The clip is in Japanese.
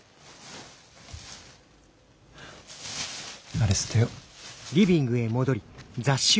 あれ捨てよ。